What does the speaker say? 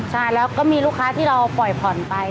ใช่แล้วก็มีลูกค้าที่เราปล่อยผ่อนไป